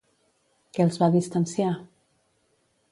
Què els va distanciar?